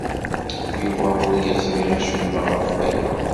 Yuba ur yeẓri acemma ɣef waya.